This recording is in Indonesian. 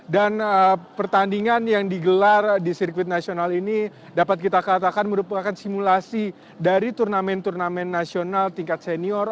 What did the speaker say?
dan pertandingan yang digelar di sirkuit nasional ini dapat kita katakan merupakan simulasi dari turnamen turnamen nasional tingkat senior